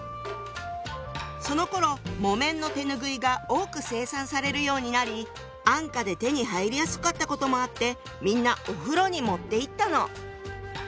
そのころ木綿の手拭いが多く生産されるようになり安価で手に入りやすかったこともあってみんなお風呂に持っていったの。